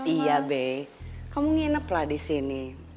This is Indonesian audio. iya be kamu nginep lah disini